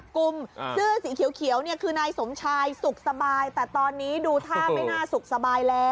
กลุ่มเสื้อสีเขียวเนี่ยคือนายสมชายสุขสบายแต่ตอนนี้ดูท่าไม่น่าสุขสบายแล้ว